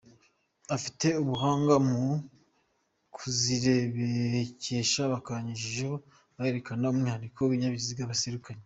Abafite ubuhanga mu kuziserebekesha bakanyujijeho berekana umwihariko w’ibinyabiziga baserukanye.